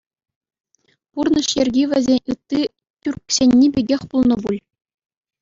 Пурнӑҫ йӗрки вӗсен ытти тӳрксенни пекех пулнӑ пуль?